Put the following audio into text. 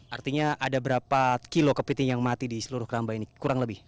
artinya ada berapa kilo kepiting yang mati di seluruh keramba ini kurang lebih